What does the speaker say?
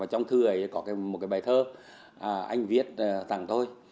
trong thư có một bài thơ anh viết rằng